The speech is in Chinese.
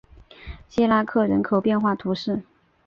谢拉克人口变化图示